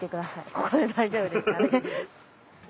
ここで大丈夫ですかね。